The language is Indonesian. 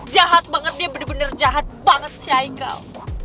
jahat banget dia bener bener jahat banget si haikal